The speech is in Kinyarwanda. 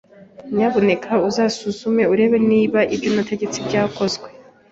Nyamuneka uzasuzume urebe niba ibyo nategetse byakozwe?